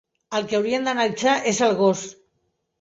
Al que haurien d'analitzar és al gos!